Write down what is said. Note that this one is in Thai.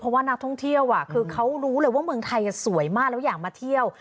เพราะว่านักท่องเที่ยวคือเขารู้เลยว่าเมืองไทยสวยมากแล้วอยากมาเที่ยว